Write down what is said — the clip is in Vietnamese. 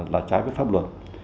là trái với pháp luật